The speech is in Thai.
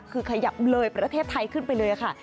คือขยับเลยประเทศไทยขึ้นไปเลยค่ะ